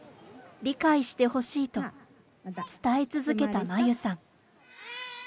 理解してほしいと伝え続けた真夕さん。